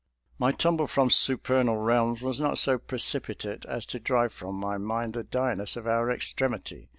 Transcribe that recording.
My tumble from supernal realms was not so precipitate as to drive from my mind the dire ness of our extremity.